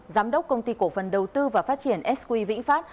giám đốc công ty cổ phần đầu tư và phát triển sq vĩnh phát